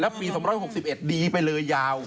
แล้วปี๒๖๑ดีไปเลยยาว